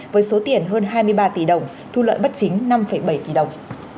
với số tiền hơn hai mươi ba tỷ đồng thu lợi bất chính năm bảy tỷ đồng